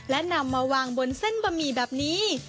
และนำมาวางบนเส้นบะหมี่แบบนี้